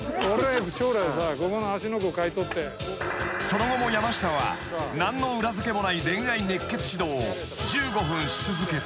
［その後も山下は何の裏付けもない恋愛熱血指導を１５分し続けた］